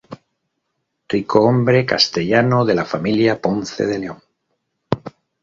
Ricohombre castellano de la familia Ponce de León.